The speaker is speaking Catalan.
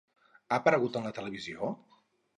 Ha aparegut en la televisió?